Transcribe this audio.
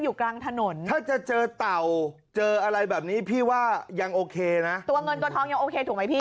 อยู่กลางถนนถ้าจะเจอเต่าเจออะไรแบบนี้พี่ว่ายังโอเคนะตัวเงินตัวทองยังโอเคถูกไหมพี่